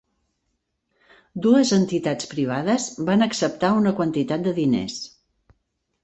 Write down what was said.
Dues entitats privades van acceptar una quantitat de diners.